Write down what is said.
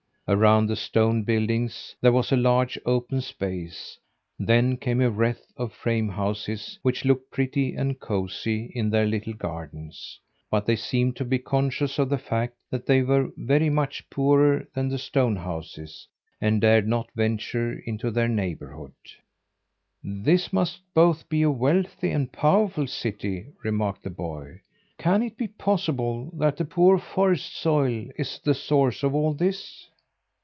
Around the stone buildings there was a large open space, then came a wreath of frame houses which looked pretty and cosy in their little gardens; but they seemed to be conscious of the fact that they were very much poorer than the stone houses, and dared not venture into their neighbourhood. "This must be both a wealthy and powerful city," remarked the boy. "Can it be possible that the poor forest soil is the source of all this?"